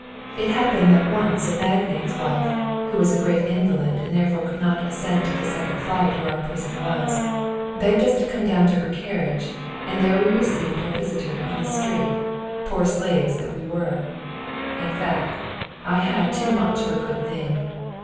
It happened once that a magnate's wife, who was a great invalid, and therefore could not ascend to the second flight where our prison was, begged us to come down to her carriage, and there we received our visitor in the street poor slaves that we were! In fact, I had too much of a good thing.